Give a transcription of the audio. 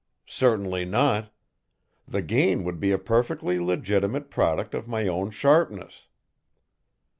Certainly not. The gain would be a perfectly legitimate product of my own sharpness."